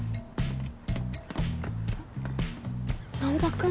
えっ難破君？